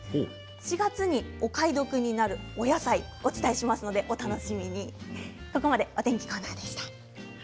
４月にお買い得になるお野菜をお伝えしますのでお楽しみに。